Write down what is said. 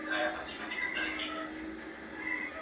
هغه په خپل حساب کې نوی انځور خپور کړ.